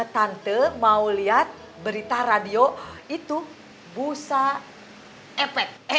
tante mau liat berita radio itu bursa epek